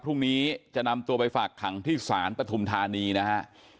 พรุ่งนี้จะนำตัวไปฝากขังที่ศาลปฐุมธานีนะฮะ